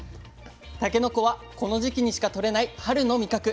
たけのこはこの時期にしかとれない春の味覚。